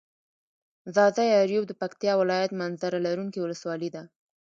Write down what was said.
ځاځي اريوب د پکتيا ولايت منظره لرونکي ولسوالي ده.